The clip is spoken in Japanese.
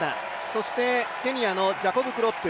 そして、ケニアのジャコブ・クロップ。